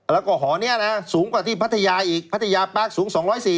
แล้วก็หอนี้นะสูงกว่าที่พัทยาอีกพัทยาปาร์คสูง๒๔๐